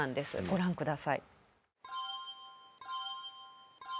ご覧ください。